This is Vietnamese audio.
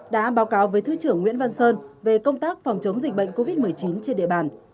đã báo cáo với thứ trưởng nguyễn văn sơn về công tác phòng chống dịch bệnh covid một mươi chín trên địa bàn